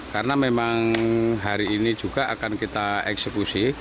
karena memang hari ini juga akan kita eksekusi